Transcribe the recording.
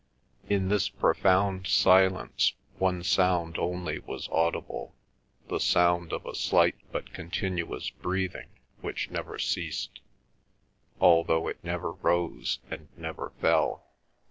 In this profound silence one sound only was audible, the sound of a slight but continuous breathing which never ceased, although it never rose and never fell.